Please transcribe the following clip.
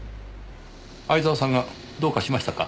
相沢さんがどうかしましたか？